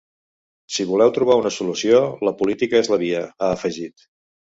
Si voleu trobar una solució, la política és la via, ha afegit.